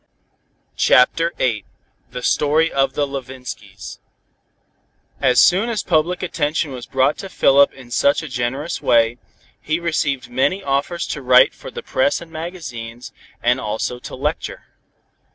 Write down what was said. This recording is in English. CHAPTER VIII THE STORY OF THE LEVINSKYS As soon as public attention was brought to Philip in such a generous way, he received many offers to write for the press and magazines, and also to lecture.